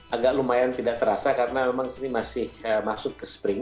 agak lumayan tidak terasa karena memang sini masih masuk ke spring